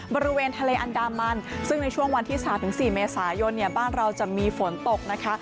บริเวณทะเลอันดามันซึ่งในช่วงวันที่๓๔เมษายนเนี่ยบ้านเราจะมีฝนตกนะคะ